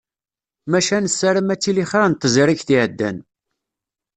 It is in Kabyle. Maca nessaram ad tili xir n tezrigt iɛeddan.